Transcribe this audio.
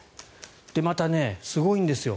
またね、すごいんですよ